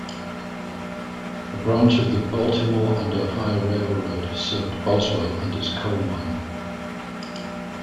A branch of the Baltimore and Ohio railroad served Boswell and its coal mine.